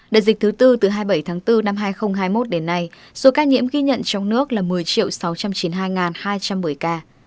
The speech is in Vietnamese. đại dịch thứ tư từ hai mươi bảy tháng bốn năm hai nghìn hai mươi một đến nay số ca nhiễm ghi nhận trong nước là một mươi sáu trăm chín mươi hai hai trăm một mươi ca